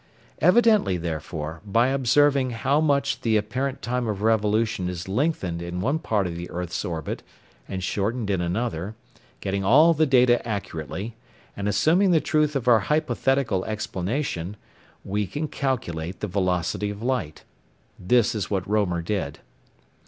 Evidently, therefore, by observing how much the apparent time of revolution is lengthened in one part of the earth's orbit and shortened in another, getting all the data accurately, and assuming the truth of our hypothetical explanation, we can calculate the velocity of light. This is what Roemer did.